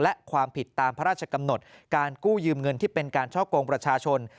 และความผิดตามพระราชกำหนดการกู้ยืมเงินที่เป็นการช่อกงประชาชน